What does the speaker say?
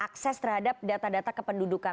akses terhadap data data kependudukan